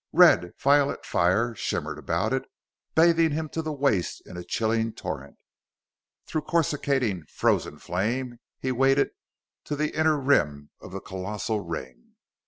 Red violet fire shimmered about it, bathing him to the waist in a chilling torrent. Through coruscating frozen flame he waded to the inner rim of the colossal ring.